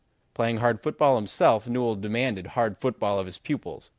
Playing hard football himself, Newell demanded hard football of his pupils.